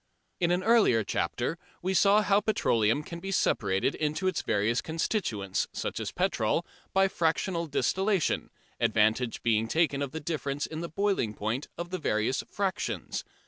In an earlier chapter we saw how petroleum can be separated into its various constituents, such as petrol, by fractional distillation, advantage being taken of the difference in the "boiling point" of the various "fractions."